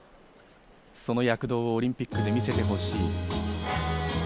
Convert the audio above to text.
その躍動をオリンピックで見せてほしい。